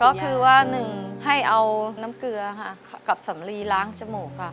ก็คือว่าหนึ่งให้เอาน้ำเกลือค่ะกับสำลีล้างจมูกค่ะ